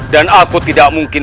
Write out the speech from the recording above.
dan aku tidak mungkin